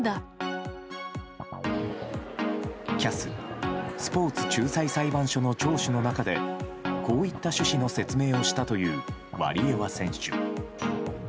ＣＡＳ・スポーツ仲裁裁判所の聴取の中でこういった趣旨の説明をしたというワリエワ選手。